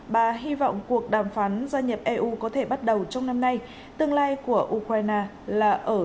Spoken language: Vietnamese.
bà hy vọng cuộc đàm phán gia nhập eu có thể bắt đầu trong năm nay tương lai của ukraine là ở